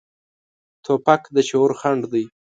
توپک د شعور خنډ دی.